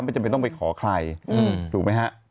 จำเป็นต้องไปขอใครถูกไหมฮะ